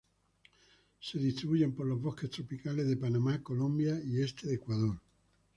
Se distribuyen por los bosques tropicales de Panamá, Colombia y este de Ecuador.